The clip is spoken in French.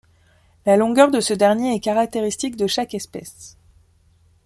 La longueur de ce dernier est caractéristique de chaque espèce.